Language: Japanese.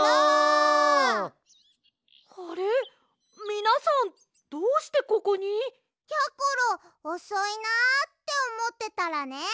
みなさんどうしてここに？やころおそいなあっておもってたらね